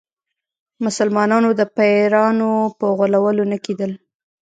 مسلمانانو د پیرانو په غولولو نه کېدل.